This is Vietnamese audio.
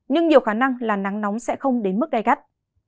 nhưng nhiều khả năng là nắng nóng sẽ không đến mức gai gắt